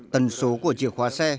tần số của chìa khóa xe